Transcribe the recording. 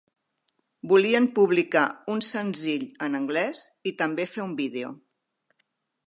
Volien publicar un senzill en anglès i també fer un vídeo.